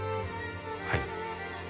はい。